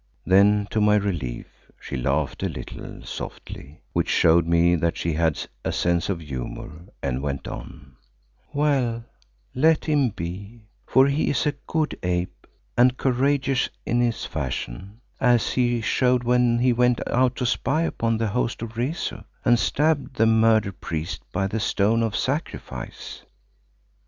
Then, to my relief, she laughed a little, softly, which showed me that she had a sense of humour, and went on, "Well, let him be, for he is a good ape and courageous in his fashion, as he showed when he went out to spy upon the host of Rezu, and stabbed the murderer priest by the stone of sacrifice."